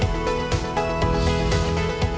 terima kasih pak